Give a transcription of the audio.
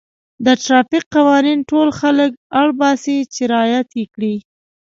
د ټرافیک قوانین ټول خلک اړ باسي چې رعایت یې کړي.